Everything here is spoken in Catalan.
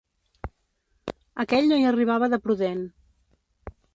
Aquell no hi arribava de prudent.